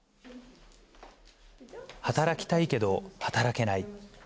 働きたいけど働けない。